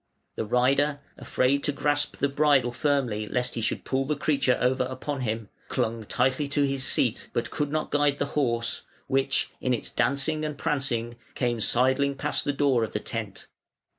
The rider, afraid to grasp the bridle firmly lest he should pull the creature over upon him, clung tightly to his seat, but could not guide the horse, which, in its dancing and prancing, came sidling past the door of the tent.